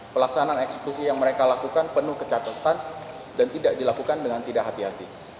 pelaksanaan eksekusi yang mereka lakukan penuh kecatatan dan tidak dilakukan dengan tidak hati hati